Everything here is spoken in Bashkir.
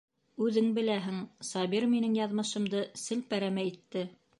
Үҙең беләһең, Сабир минең яҙмышымды селпәрәмә итте.